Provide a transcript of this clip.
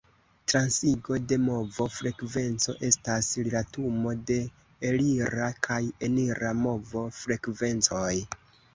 Transigo de movo-frekvenco estas rilatumo de elira kaj enira movo-frekvencoj.